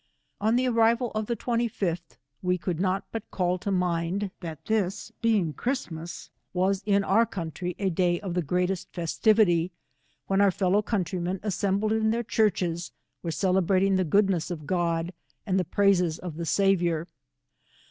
On tb^ arrival of the Soth, we could not but call to mind, that this being Christmas, was in our country a day of tiie greatest festivity, when oajr fellow countrymen assembled in their churches, were celebrating the goodness of God, and the praises of the Saviour.